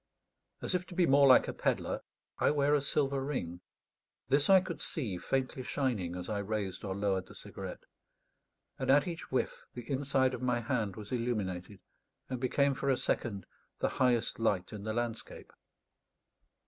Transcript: As if to be more like a pedlar, I wear a silver ring. This I could see faintly shining as I raised or lowered the cigarette; and at each whiff the inside of my hand was illuminated, and became for a second the highest light in the landscape.